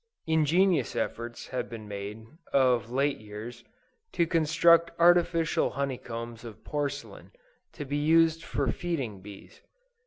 Ingenious efforts have been made, of late years, to construct artificial honey combs of porcelain, to be used for feeding bees.